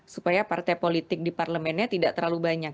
supaya partai politik di parlemennya tidak terlalu banyak